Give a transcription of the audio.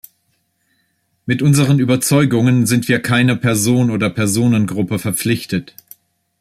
Mit unseren Überzeugungen sind wir keiner Person oder Personengruppe verpflichtet.